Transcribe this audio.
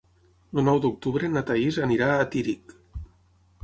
El nou d'octubre na Thaís anirà a Tírig.